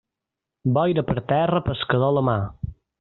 Boira per terra, pescador a la mar.